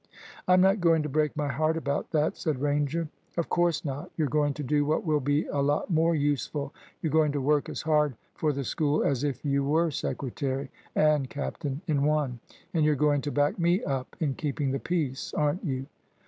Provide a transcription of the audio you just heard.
"I'm not going to break my heart about that," said Ranger. "Of course not. You're going to do what will be a lot more useful. You're going to work as hard for the School as if you were secretary and captain in one; and you're going to back me up in keeping the peace, aren't you?"